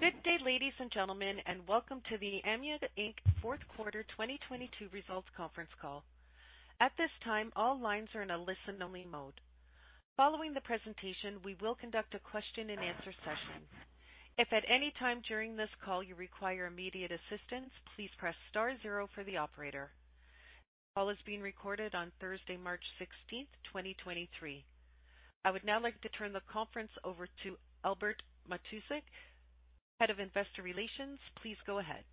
Good day, ladies and gentlemen, and welcome to the Aimia Inc. fourth quarter 2022 results conference call. At this time, all lines are in a listen-only mode. Following the presentation, we will conduct a question-and-answer session. If at any time during this call you require immediate assistance, please press star 0 for the operator. Call is being recorded on Thursday, March 16, 2023. I would now like to turn the conference over to Albert Matousek, Head of Investor Relations. Please go ahead.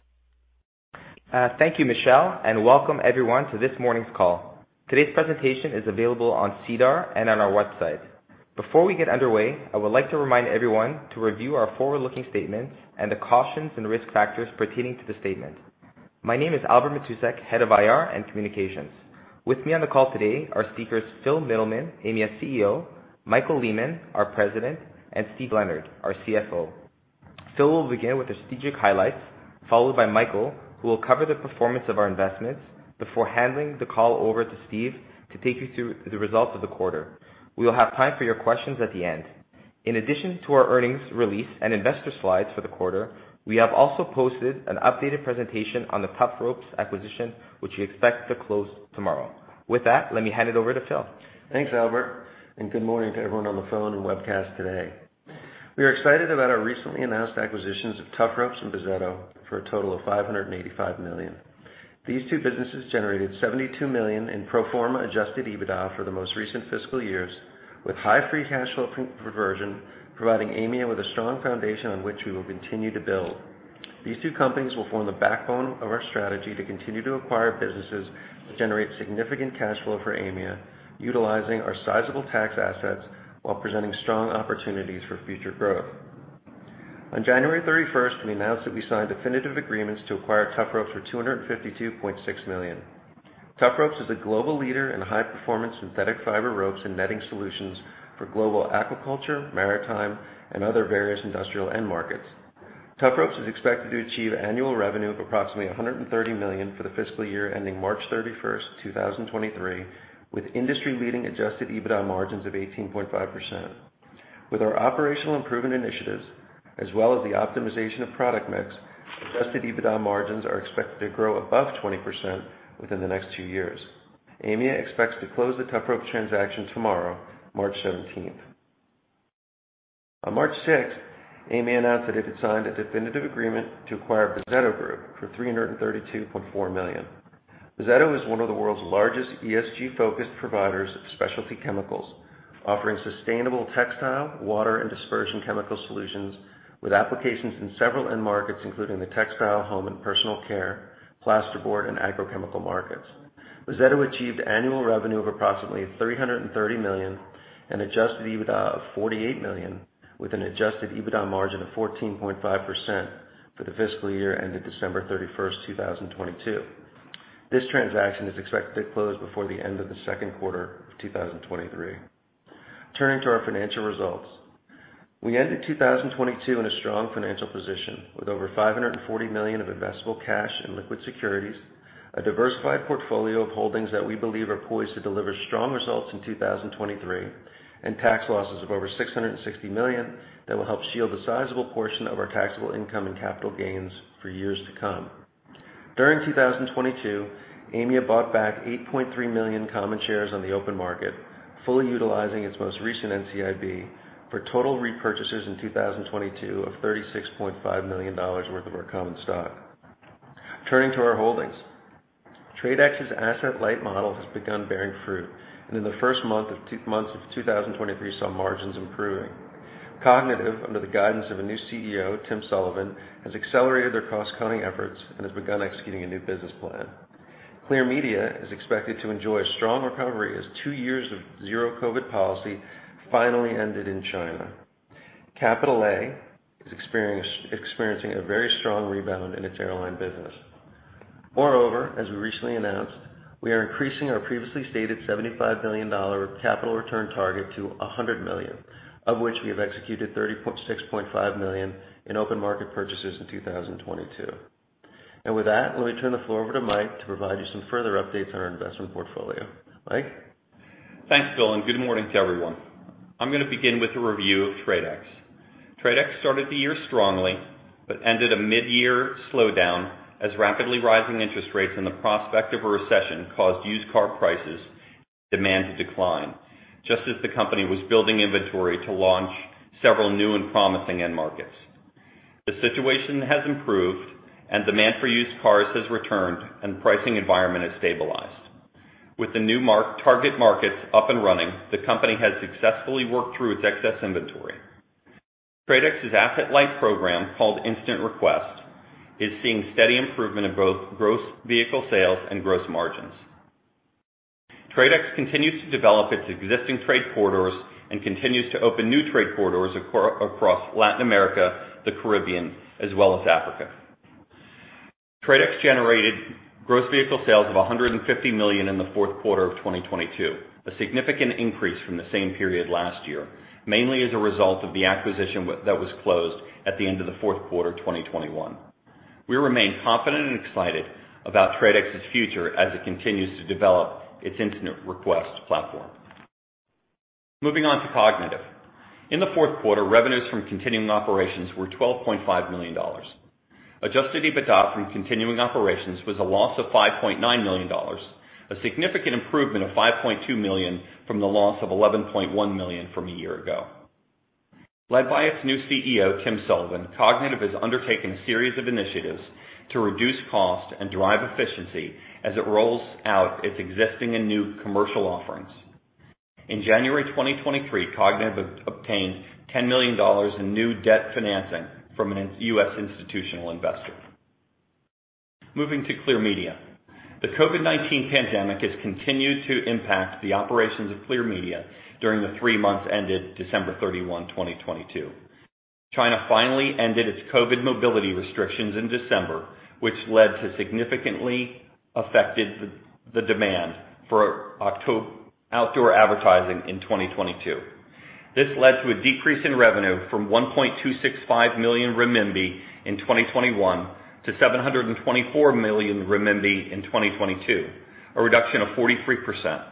Thank you, Michelle, and welcome everyone to this morning's call. Today's presentation is available on SEDAR and on our website. Before we get underway, I would like to remind everyone to review our forward-looking statements and the cautions and risk factors pertaining to the statement. My name is Albert Matousek, Head of IR and Communications. With me on the call today are speakers Phil Mittleman, Aimia CEO, Michael Lehmann, our President, and Steven Leonard, our CFO. Phil will begin with the strategic highlights, followed by Michael, who will cover the performance of our investments before handing the call over to Steve to take you through the results of the quarter. We will have time for your questions at the end. In addition to our earnings release and investor slides for the quarter, we have also posted an updated presentation on the Tufropes acquisition, which we expect to close tomorrow. With that, let me hand it over to Phil. Thanks, Albert. Good morning to everyone on the phone and webcast today. We are excited about our recently announced acquisitions of Tufropes and Bozzetto for a total of 585 million. These two businesses generated 72 million in pro forma adjusted EBITDA for the most recent fiscal years, with high free cash flow conversion, providing Aimia with a strong foundation on which we will continue to build. These two companies will form the backbone of our strategy to continue to acquire businesses that generate significant cash flow for Aimia, utilizing our sizable tax assets while presenting strong opportunities for future growth. On January 31st, we announced that we signed definitive agreements to acquire Tufropes for 252.6 million. Tufropes is a global leader in high performance synthetic fiber ropes and netting solutions for global aquaculture, maritime and other various industrial end markets. Tufropes is expected to achieve annual revenue of approximately 130 million for the fiscal year ending March 31, 2023, with industry leading adjusted EBITDA margins of 18.5%. With our operational improvement initiatives as well as the optimization of product mix, adjusted EBITDA margins are expected to grow above 20% within the next two years. Aimia expects to close the Tufropes transaction tomorrow, March 17. On March 6, Aimia announced that it had signed a definitive agreement to acquire Bozzetto Group for 332.4 million. Bozzetto is one of the world's largest ESG-focused providers of specialty chemicals, offering sustainable textile, water and dispersion chemical solutions with applications in several end markets, including the textile, home and personal care, plasterboard and agrochemical markets. Bozzetto achieved annual revenue of approximately 330 million and adjusted EBITDA of 48 million, with an adjusted EBITDA margin of 14.5% for the fiscal year ended December 31st, 2022. This transaction is expected to close before the end of the second quarter of 2023. Turning to our financial results. We ended 2022 in a strong financial position with over 540 million of investable cash and liquid securities, a diversified portfolio of holdings that we believe are poised to deliver strong results in 2023, and tax losses of over 660 million that will help shield a sizable portion of our taxable income and capital gains for years to come. During 2022, Aimia bought back 8.3 million common shares on the open market, fully utilizing its most recent NCIB for total repurchases in 2022 of $36.5 million worth of our common stock. Turning to our holdings. TRADE X's asset light model has begun bearing fruit, in the first month of 2023 saw margins improving. Kognitiv under the guidance of a new CEO, Tim Sullivan, has accelerated their cost cutting efforts and has begun executing a new business plan. Clear Media is expected to enjoy a strong recovery as two years of zero-COVID policy finally ended in China. Capital A is experiencing a very strong rebound in its airline business. As we recently announced, we are increasing our previously stated 75 million dollar capital return target to 100 million, of which we have executed 36.5 million in open market purchases in 2022. With that, let me turn the floor over to Mike to provide you some further updates on our investment portfolio. Mike? Thanks, Phil. Good morning to everyone. I'm gonna begin with a review of TRADE X. TRADE X started the year strongly but ended a mid-year slowdown as rapidly rising interest rates and the prospect of a recession caused used car prices demand to decline, just as the company was building inventory to launch several new and promising end markets. The situation has improved and demand for used cars has returned and the pricing environment has stabilized. With the new target markets up and running, the company has successfully worked through its excess inventory. TRADE X's asset light program called Instant Request, is seeing steady improvement in both gross vehicle sales and gross margins. TRADE X continues to develop its existing trade corridors and continues to open new trade corridors across Latin America, the Caribbean, as well as Africa. TRADE X generated gross vehicle sales of $150 million in the fourth quarter of 2022, a significant increase from the same period last year, mainly as a result of the acquisition that was closed at the end of the fourth quarter 2021. We remain confident and excited about TRADE X's future as it continues to develop its Instant Request platform. Moving on to Kognitiv. In the fourth quarter, revenues from continuing operations were $12.5 million. Adjusted EBITDA from continuing operations was a loss of $5.9 million, a significant improvement of $5.2 million from the loss of $11.1 million from a year ago. Led by its new CEO, Tim Sullivan, Kognitiv has undertaken a series of initiatives to reduce cost and drive efficiency as it rolls out its existing and new commercial offerings. In January 2023, Kognitiv obtained $10 million in new debt financing from an U.S. institutional investor. Moving to Clear Media. The COVID-19 pandemic has continued to impact the operations of Clear Media during the three months ended December 31, 2022. China finally ended its COVID mobility restrictions in December, which led to significantly affected the demand for outdoor advertising in 2022. This led to a decrease in revenue from 1.265 million renminbi in 2021 to 724 million renminbi in 2022, a reduction of 43%.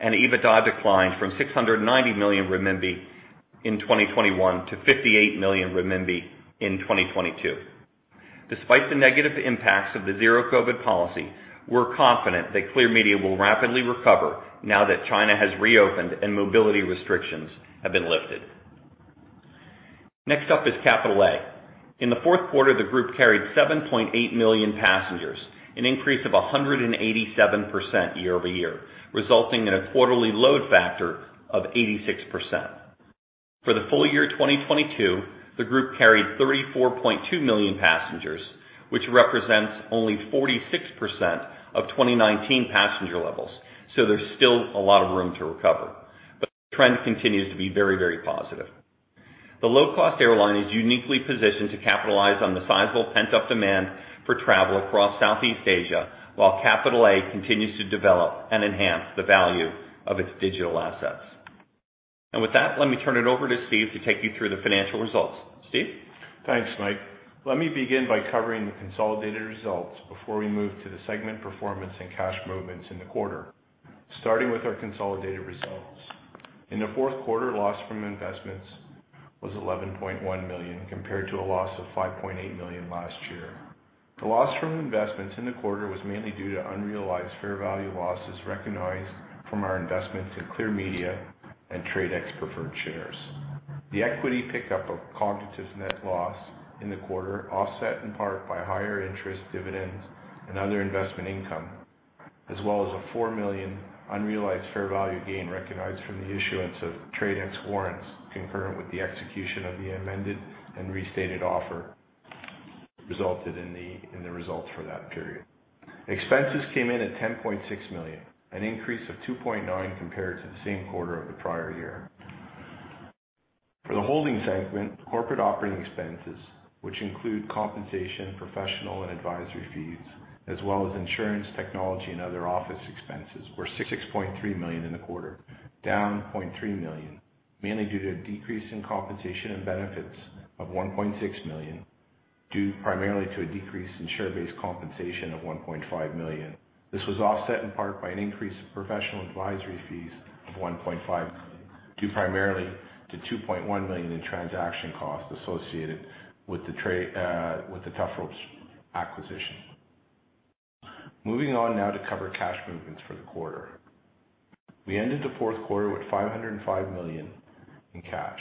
EBITDA declined from 690 million renminbi in 2021 to 58 million renminbi in 2022. Despite the negative impacts of the zero-COVID policy, we're confident that Clear Media will rapidly recover now that China has reopened and mobility restrictions have been lifted. Next up is Capital A. In the fourth quarter, the group carried 7.8 million passengers, an increase of 187% year-over-year, resulting in a quarterly load factor of 86%. For the full year 2022, the group carried 34.2 million passengers, which represents only 46% of 2019 passenger levels. There's still a lot of room to recover, but the trend continues to be very, very positive. The low-cost airline is uniquely positioned to capitalize on the sizable pent-up demand for travel across Southeast Asia, while Capital A continues to develop and enhance the value of its digital assets. With that, let me turn it over to Steve to take you through the financial results. Steve. Thanks, Mike. Let me begin by covering the consolidated results before we move to the segment performance and cash movements in the quarter. Starting with our consolidated results. In the fourth quarter, loss from investments was 11.1 million, compared to a loss of 5.8 million last year. The loss from investments in the quarter was mainly due to unrealized fair value losses recognized from our investments in Clear Media and TRADE X preferred shares. The equity pickup of Kognitiv's net loss in the quarter offset in part by higher interest dividends and other investment income, as well as a 4 million unrealized fair value gain recognized from the issuance of TRADE X warrants concurrent with the execution of the amended and restated offer resulted in the results for that period. Expenses came in at 10.6 million, an increase of 2.9 compared to the same quarter of the prior year. For the holding segment, corporate operating expenses, which include compensation, professional, and advisory fees, as well as insurance, technology, and other office expenses, were 6.3 million in the quarter, down 0.3 million, mainly due to a decrease in compensation and benefits of 1.6 million, due primarily to a decrease in share-based compensation of 1.5 million. This was offset in part by an increase in professional advisory fees of 1.5, due primarily to 2.1 million in transaction costs associated with the trade with the Tufropes acquisition. Moving on now to cover cash movements for the quarter. We ended the fourth quarter with 505 million in cash.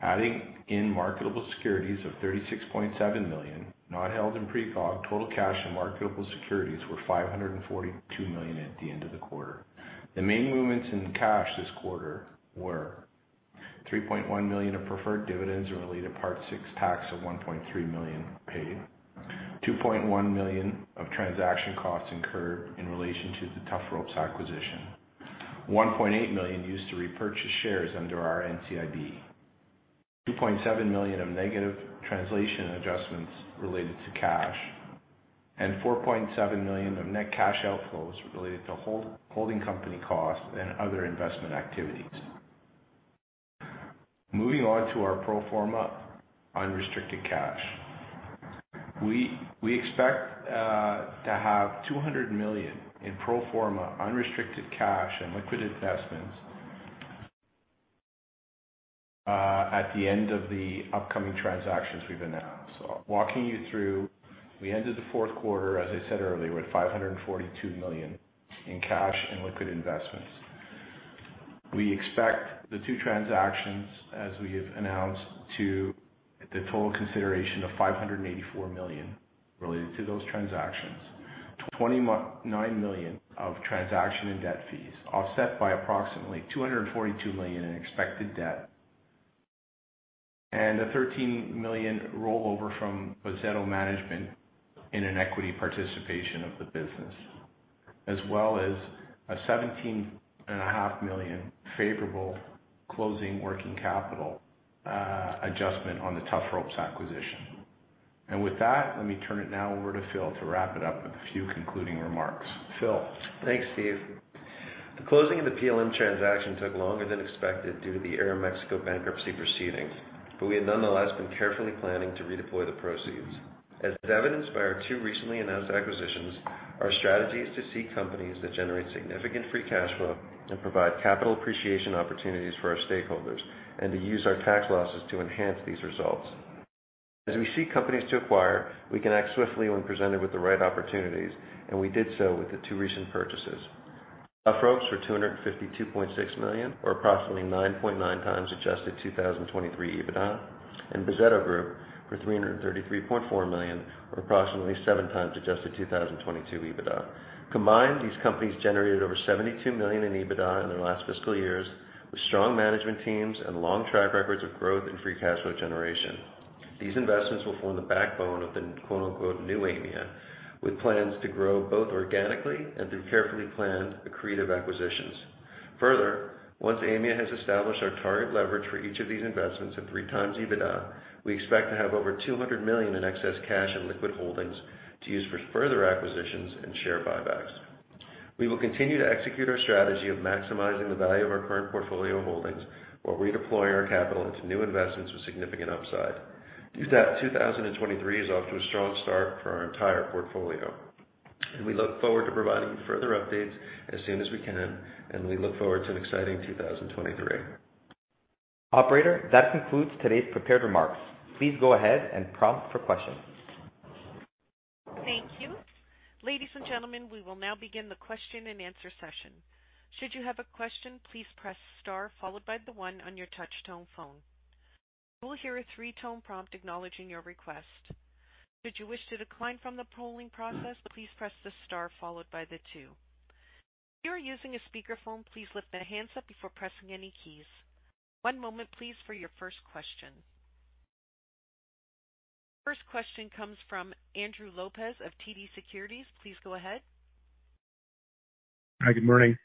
Adding in marketable securities of 36.7 million, not held in Precog, total cash and marketable securities were 542 million at the end of the quarter. The main movements in cash this quarter were 3.1 million of preferred dividends related to Part VI.1 tax of 1.3 million paid, 2.1 million of transaction costs incurred in relation to the Tufropes acquisition, 1.8 million used to repurchase shares under our NCIB, 2.7 million of negative translation adjustments related to cash, and 4.7 million of net cash outflows related to holding company costs and other investment activities. Moving on to our pro forma unrestricted cash. We expect to have 200 million in pro forma unrestricted cash and liquid investments at the end of the upcoming transactions we've announced. Walking you through, we ended the fourth quarter, as I said earlier, with 542 million in cash and liquid investments. We expect the two transactions, as we have announced, to the total consideration of 584 million related to those transactions. 29 million of transaction and debt fees, offset by approximately 242 million in expected debt, and a 13 million rollover from Bozzetto management in an equity participation of the business, as well as a seventeen and a half million favorable closing working capital adjustment on the Tufropes acquisition. With that, let me turn it now over to Phil to wrap it up with a few concluding remarks. Phil. Thanks, Steve. The closing of the PLM transaction took longer than expected due to the Aeroméxico bankruptcy proceedings, we have nonetheless been carefully planning to redeploy the proceeds. As evidenced by our two recently announced acquisitions, our strategy is to seek companies that generate significant free cash flow and provide capital appreciation opportunities for our stakeholders and to use our tax losses to enhance these results. As we seek companies to acquire, we can act swiftly when presented with the right opportunities, we did so with the two recent purchases. Tufropes for CAD 252.6 million or approximately 9.9x adjusted 2023 EBITDA and Bozzetto Group for 333.4 million or approximately 7x adjusted 2022 EBITDA. Combined, these companies generated over 72 million in EBITDA in their last fiscal years with strong management teams and long track records of growth in free cash flow generation. These investments will form the backbone of the quote-unquote new Aimia, with plans to grow both organically and through carefully planned accretive acquisitions. Further, once Aimia has established our target leverage for each of these investments at 3x EBITDA, we expect to have over 200 million in excess cash and liquid holdings to use for further acquisitions and share buybacks. We will continue to execute our strategy of maximizing the value of our current portfolio holdings while redeploying our capital into new investments with significant upside. To that, 2023 is off to a strong start for our entire portfolio. We look forward to providing further updates as soon as we can. We look forward to an exciting 2023. Operator, that concludes today's prepared remarks. Please go ahead and prompt for questions. Thank you. Ladies and gentlemen, we will now begin the question-and-answer session. Should you have a question, please press star followed by the one on your touch tone phone. You will hear a three-tone prompt acknowledging your request. Should you wish to decline from the polling process, please press the star followed by the two. If you are using a speakerphone, please lift the hands up before pressing any keys. One moment please for your first question. First question comes from Andrew Lopez of TD Securities. Please go ahead. Hi. Good morning.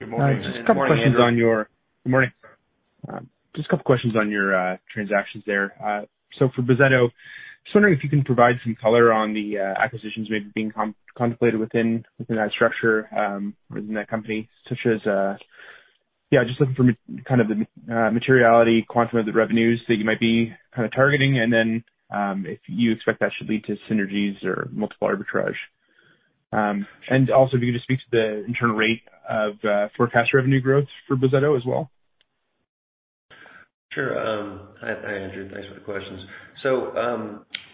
Good morning. Good morning, Andrew. Just a couple of questions on your transactions there. For Bozzetto, just wondering if you can provide some color on the acquisitions maybe being contemplated within that structure, within that company, such as, yeah, just looking for kind of the materiality quantum of the revenues that you might be kinda targeting and then if you expect that should lead to synergies or multiple arbitrage. Also if you could just speak to the internal rate of forecast revenue growth for Bozzetto as well. Sure. Hi, Andrew. Thanks for the questions.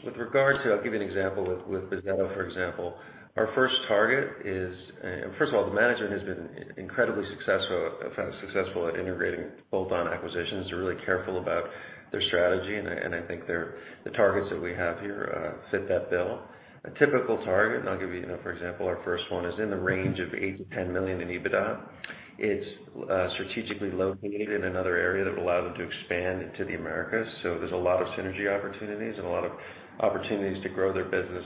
With regard to, I'll give you an example with Bozzetto, for example. Our first target is, and first of all, the management has been incredibly successful at integrating bolt-on acquisitions. They're really careful about their strategy, and I think the targets that we have here fit that bill. A typical target, and I'll give you know, for example, our first one is in the range of 8 million-10 million in EBITDA. It's strategically located in another area that will allow them to expand into the Americas. There's a lot of synergy opportunities and a lot of opportunities to grow their business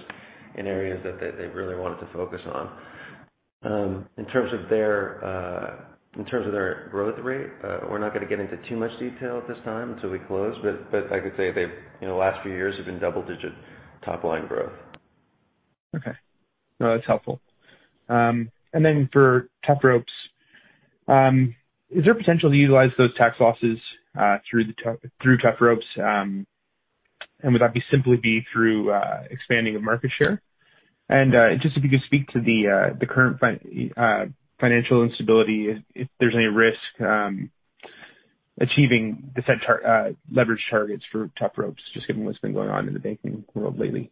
in areas that they really wanted to focus on. In terms of their growth rate, we're not gonna get into too much detail at this time until we close, but I could say they've, in the last few years, have been double digit top line growth. Okay. No, that's helpful. Then for Tufropes, is there potential to utilize those tax losses through Tufropes? Would that be simply through expanding of market share? Just if you could speak to the current financial instability, if there's any risk achieving the set leverage targets for Tufropes, just given what's been going on in the banking world lately.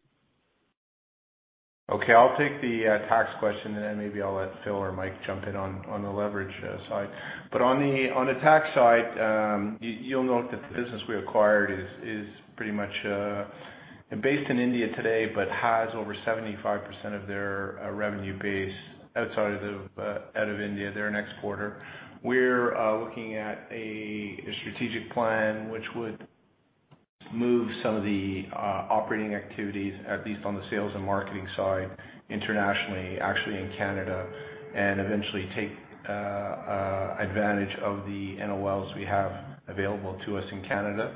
Okay. I'll take the tax question. Then maybe I'll let Phil or Mike jump in on the leverage side. On the tax side, you'll note that the business we acquired is pretty much based in India today, but has over 75% of their revenue base outside of India. They're an exporter. We're looking at a strategic plan which would move some of the operating activities, at least on the sales and marketing side internationally, actually in Canada, and eventually take advantage of the NOLs we have available to us in Canada.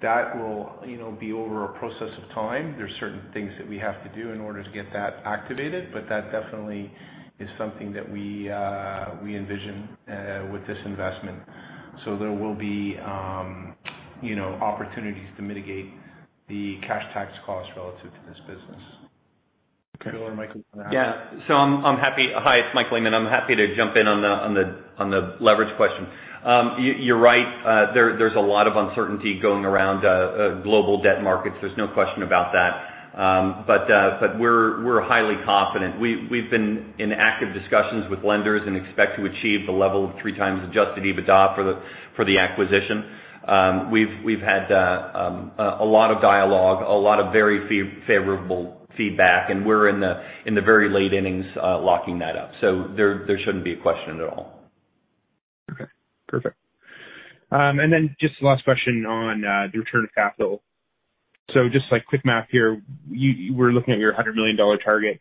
That will, you know, be over a process of time. There's certain things that we have to do in order to get that activated, but that definitely is something that we envision, with this investment. There will be, you know, opportunities to mitigate the cash tax cost relative to this business. Okay. Phil or Mike, you wanna have it? Yeah. I'm happy... Hi, it's Michael Lehmann. I'm happy to jump in on the leverage question. You're right. There's a lot of uncertainty going around global debt markets. There's no question about that. We're highly confident. We've been in active discussions with lenders and expect to achieve the level of 3x adjusted EBITDA for the acquisition. We've had a lot of dialogue, a lot of very favorable feedback, and we're in the very late innings locking that up. There shouldn't be a question at all. Okay. Perfect. Just last question on the return of capital. Just like quick math here, we're looking at your 100 million dollar target.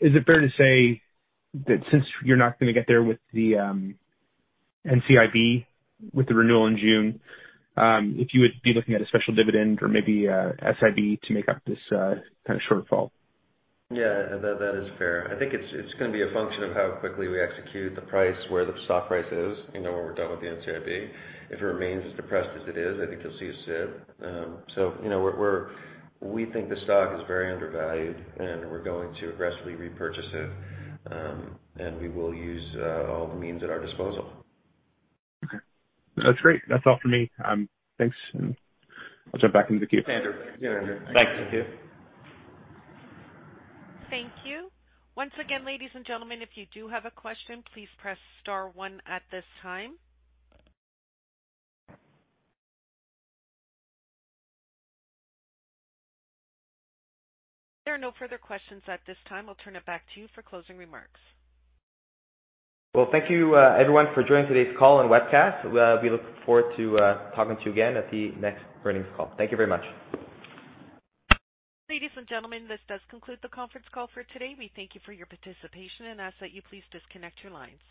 Is it fair to say that since you're not gonna get there with the NCIB with the renewal in June, if you would be looking at a special dividend or maybe a SIB to make up this kind of shortfall? Yeah. That, that is fair. I think it's gonna be a function of how quickly we execute the price, where the stock price is, you know, when we're done with the NCIB. If it remains as depressed as it is, I think you'll see a SIB. We think the stock is very undervalued, and we're going to aggressively repurchase it. We will use all the means at our disposal. That's great. That's all for me. Thanks, and I'll jump back into the queue. Thanks, Andrew. Thanks. Thank you. Once again, ladies and gentlemen, if you do have a question, please press star one at this time. If there are no further questions at this time, I'll turn it back to you for closing remarks. Well, thank you, everyone, for joining today's call and webcast. We look forward to talking to you again at the next earnings call. Thank you very much. Ladies and gentlemen, this does conclude the conference call for today. We thank you for your participation and ask that you please disconnect your lines.